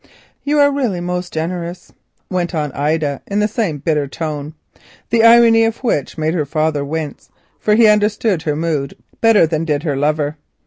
"You are really most generous," went on Ida in the same bitter tone, the irony of which made her father wince, for he understood her mood better than did her lover.